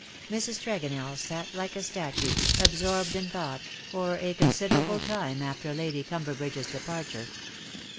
''' Mrs. Tregonell sat like a statue^ absorbed in thought^ for a considerable time after Lady Cum berbridge's departure.